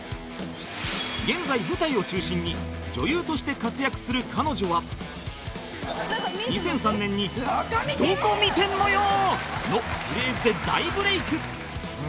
現在舞台を中心に女優として活躍する彼女は２００３年に「どこ見てんのよ！」のフレーズで大ブレイク